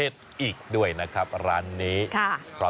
มีกลิ่นหอมกว่า